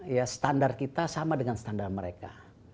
ya standar kita sama dengan standar mereka